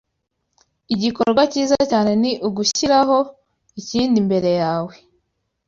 Igikorwa cyiza cyane ni ugushiraho ikindi- imbere yawe